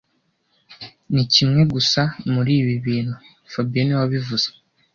Ni kimwe gusa muri ibi bintu fabien niwe wabivuze